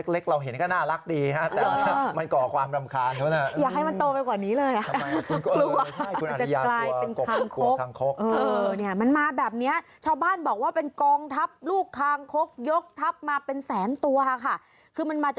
เล็กเราเห็นก็น่ารักดีห้ะแต่มันก่อกว่าความรำคาญ